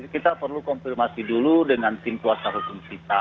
kita perlu konfirmasi dulu dengan tim kuasa hukum kita